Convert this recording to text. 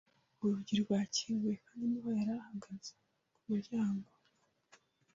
Urugi rwakinguye kandi niho yari, ahagaze ku muryango.